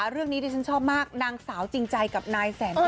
เรื่องนี้ที่ฉันชอบมากนางสาวจริงใจกับนายแสนโต